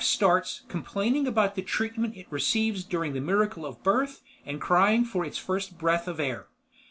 Life starts, complaining about the treatment it receives during the miracle of birth and crying for its first breath of air.